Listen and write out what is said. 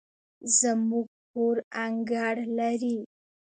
زموږ کور انګړ لري